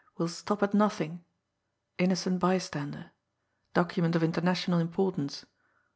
will stop at nothing ... innocent bystander ... document of international importance